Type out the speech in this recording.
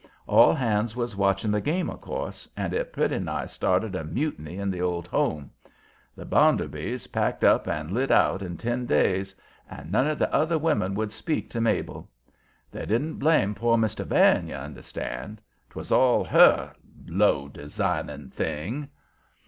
All hands was watching the game, of course, and it pretty nigh started a mutiny at the Old Home. The Bounderbys packed up and lit out in ten days, and none of the other women would speak to Mabel. They didn't blame poor Mr. Van, you understand. 'Twas all her "low, designing thing!"